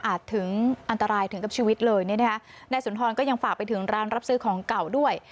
ถึงอันตรายถึงกับชีวิตเลยเนี่ยนะคะนายสุนทรก็ยังฝากไปถึงร้านรับซื้อของเก่าด้วย